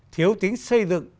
thiếu tính xây dựng